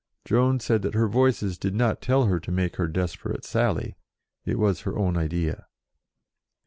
Joan said that her Voices did not tell her to make her desperate sally; it was her own idea.